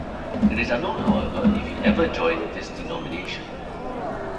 It is unknown, however, if he ever joined this denomination.